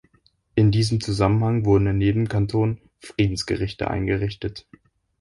In diesem Zusammenhang wurden in jedem Kanton Friedensgerichte eingerichtet.